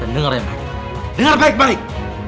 dengar yang aku bilang dengar baik baik